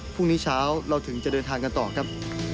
พรุ่งนี้เช้าเราถึงจะเดินทางกันต่อครับ